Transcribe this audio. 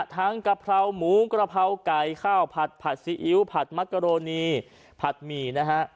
กะเพราหมูกระเพราไก่ข้าวผัดผัดซีอิ๊วผัดมักกะโรนีผัดหมี่นะฮะ